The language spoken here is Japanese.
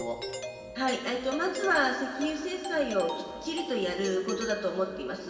まずは石油制裁をきっちりとやることだと思っています。